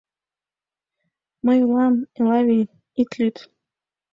Мый улам, Элавий, ит лӱд!